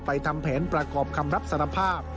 ทำแผนประกอบคำรับสารภาพ